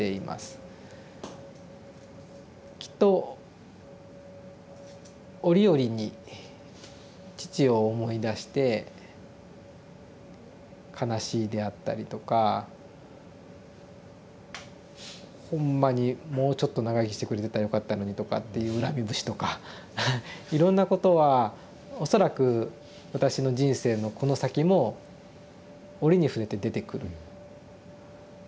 きっと折々に父を思い出して「悲しい」であったりとか「ほんまにもうちょっと長生きしてくれてたらよかったのに」とかっていう恨み節とかいろんなことは恐らく私の人生のこの先も折に触れて出てくる。